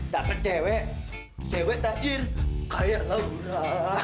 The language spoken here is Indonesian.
dapet cewek cewek tajir kaya laura